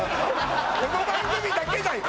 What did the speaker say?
この番組だけだよ